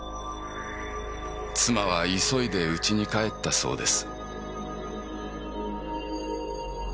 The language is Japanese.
妻は急いで家に帰ったそうです。